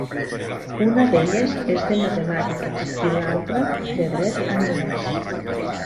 Una d'elles és de matemàtiques i l'altra de dret anglès.